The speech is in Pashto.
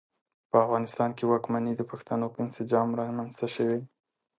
په افغانستان کې واکمنۍ د پښتنو په انسجام رامنځته شوې.